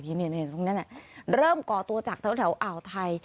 ตรงนั้นเริ่มก่อตัวจากแถวอ่าวไทย